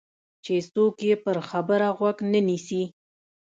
چې څوک یې پر خبره غوږ نه نیسي.